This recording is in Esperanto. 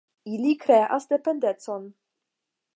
Ili kreas dependecon.